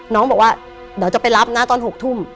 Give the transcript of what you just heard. น้องบอกว่าเดี๋ยวจะไปรับนะตอน๖ทุ่ม